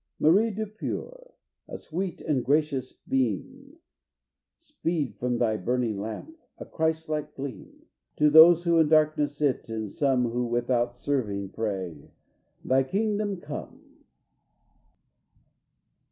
Marie Depure! A sweet and gracious beam Speed from thy burning lamp, a Christ like gleam, To those who in the darkness sit, and some Who, without serving, pray, "Thy Kingdom Come!"